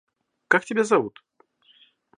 Как тебя зовут?